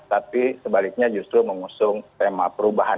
tapi sebaliknya justru mengusung tema perubahan